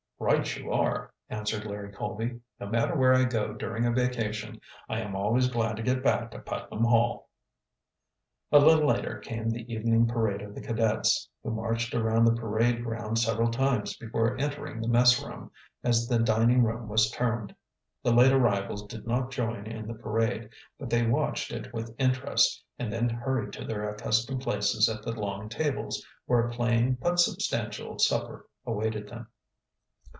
"Right you are," answered Larry Colby. "No matter where I go during a vacation, I am always glad to get back to Putnam Hall." A little later came the evening parade of the cadets, who marched around the parade ground several times before entering the messroom, as the dining hall was termed. The late arrivals did not join in the parade, but they watched it with interest, and then hurried to their accustomed places at the long tables, where a plain, but substantial supper awaited them.